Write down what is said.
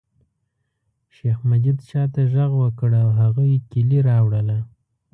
شیخ مجید چاته غږ وکړ او هغوی کیلي راوړله.